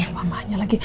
masih mama aja lagi